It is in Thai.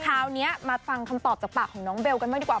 คราวนี้มาฟังคำตอบจากปากของน้องเบลกันบ้างดีกว่า